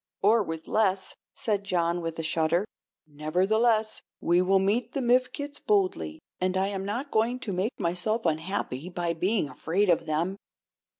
"Or with less," said John, with a shudder. "Nevertheless, we will meet the Mifkets boldly, and I am not going to make myself unhappy by being afraid of them."